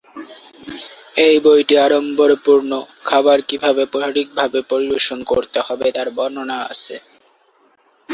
এই বইটি আড়ম্বরপূর্ণ খাবার কিভাবে সঠিকভাবে পরিবেশন করতে হবে তার বর্ণনা আছে।